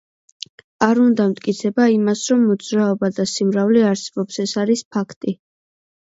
არ უნდა მტკიცება იმას, რომ მოძრაობა და სიმრავლე არსებობს, ეს არის ფაქტი.